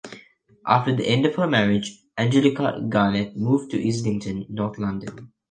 After the end of her marriage, Angelica Garnett moved to Islington, north London.